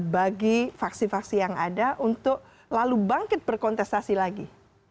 bagi faksi faksi yang ada untuk lalu bangkit berkontestasi lagi